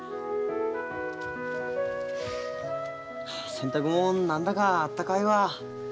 洗濯物何だかあったかいわ。